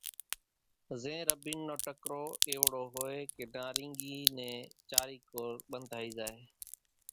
زين رڀين نو ٽڪرو ايوڙو ھوئي ڪي نارينگي نين چارين ڪور ٻنڌائي زائي۔